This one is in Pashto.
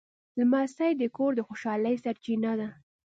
لمسی د کور د خوشحالۍ سرچینه ده.